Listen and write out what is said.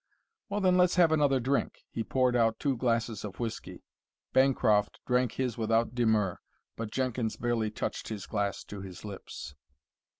Well, then, let's have another drink." He poured out two glasses of whiskey. Bancroft drank his without demur, but Jenkins barely touched his glass to his lips.